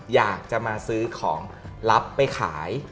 อยากจะมาซื้อของรับไปขาย